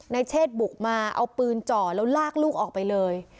เชศบุกมาเอาปืนจ่อแล้วลากลูกออกไปเลย